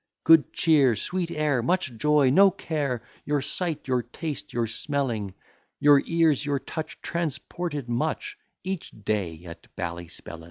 Good cheer, sweet air, much joy, no care, Your sight, your taste, your smelling, Your ears, your touch, transported much Each day at Ballyspellin.